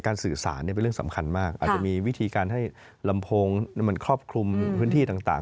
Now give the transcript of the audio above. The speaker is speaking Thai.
สื่อสารเป็นเรื่องสำคัญมากอาจจะมีวิธีการให้ลำโพงมันครอบคลุมพื้นที่ต่าง